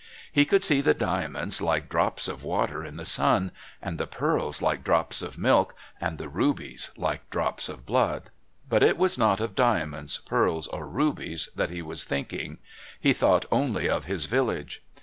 He could see the diamonds like drops of water in the sun, and the pearls like drops of milk, and the rubies like drops of blood, but it was not of diamonds, pearls or rubies that he was thinking he thought only of his village.